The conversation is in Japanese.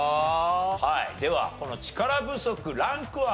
はいではこの力不足ランクは？